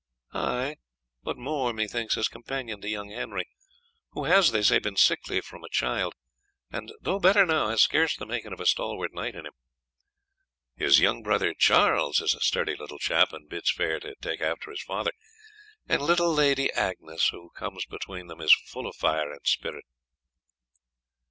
"Ay, but more, methinks, as companion to young Henry, who has, they say, been sickly from a child, and, though better now, has scarce the making of a stalwart knight in him. His young brother Charles is a sturdy little chap, and bids fair to take after his father; and little Lady Agnes, who comes between them, is full of fire and spirit.